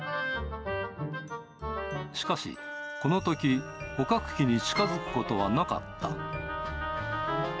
しかし、このとき、捕獲器に近づくことはなかった。